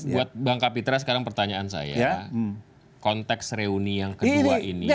buat bang kapitra sekarang pertanyaan saya konteks reuni yang kedua ini